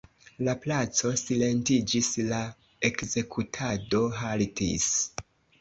La placo silentiĝis, la ekzekutado haltis.